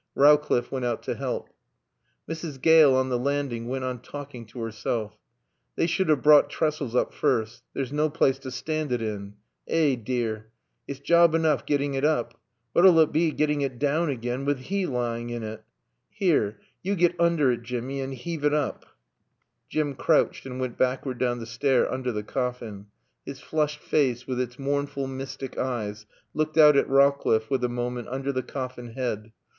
Rowcliffe went out to help. Mrs. Gale on the landing went on talking to herself. "They sud 'ave browt trestles oop first. There's naw place to stond un in. Eh dear! It's job enoof gettin' un oop. What'll it be gettin' un down again wit' 'E layin' in un? 'Ere yo get oonder un, Jimmy, and 'eave un oop." Jim crouched and went backward down the stair under the coffin. His flushed face, with its mournful, mystic eyes, looked out at Rowcliffe for a moment under the coffin head.